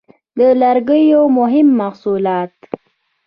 د لرګیو مهم محصولات: